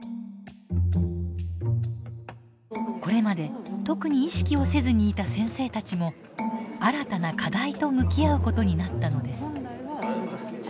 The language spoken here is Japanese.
これまで特に意識をせずにいた先生たちも新たな課題と向き合うことになったのです。